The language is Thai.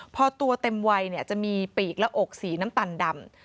พอตัวเต็มวัยจะมีปีกและอกสีน้ำตาลดำ